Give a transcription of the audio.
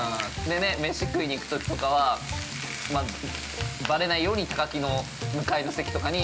◆でね、飯食いに行くときとかは、ばれないように、高木の向かいの席とかに。